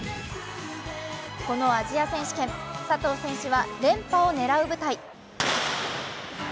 このアジア選手権、佐藤選手は連覇を狙う舞台。